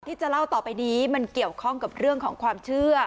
ที่จะเล่าต่อไปนี้มันเกี่ยวข้องกับเรื่องของความเชื่อ